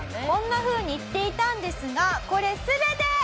こんな風に言っていたんですがこれ全て。